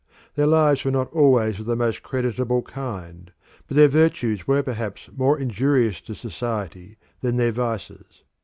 Their lives were not always of the most creditable kind, but their virtues were perhaps more injurious to society than their vices.